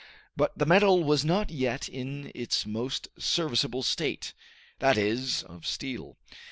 But the metal was not yet in its most serviceable state, that is, of steel.